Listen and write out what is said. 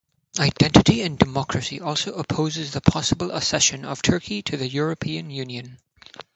Identity and Democracy also opposes the possible accession of Turkey to the European Union.